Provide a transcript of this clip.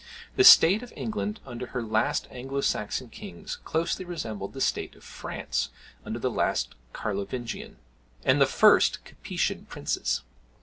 The state of England under her last Anglo Saxon kings closely resembled the state of France under the last Carlovingian, and the first Capetian princes.